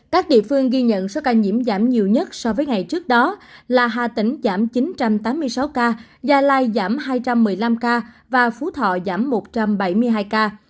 các địa phương ghi nhận số ca nhiễm giảm nhiều nhất so với ngày trước đó là hà tĩnh giảm chín trăm tám mươi sáu ca gia lai giảm hai trăm một mươi năm ca và phú thọ giảm một trăm bảy mươi hai ca